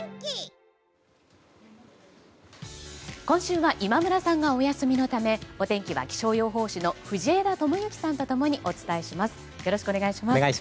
今週は今村さんがお休みのためお天気は気象予報士は藤枝知行さんと共にお伝えします。